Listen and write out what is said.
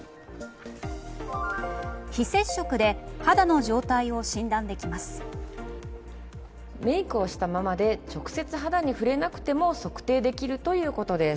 非接触で肌の状態を診断できます。